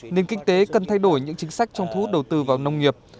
nên kinh tế cần thay đổi những chính sách trong thú đầu tư vào nông nghiệp